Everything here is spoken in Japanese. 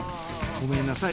ごめんなさい。